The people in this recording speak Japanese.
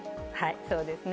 そうですね。